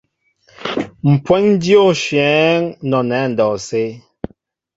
Mpweŋ dyô nshyɛέŋ nɔnɛɛ andɔwsé.